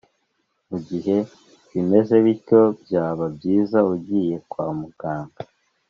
Mu gihe bimeze bityo byaba byiza ugiye kwa muganga